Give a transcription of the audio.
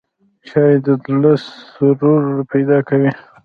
چای د زړه سرور پیدا کوي